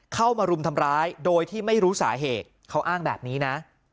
เข้ามารุมทำร้ายโดยที่ไม่รู้สาเหตุเขาอ้างแบบนี้นะ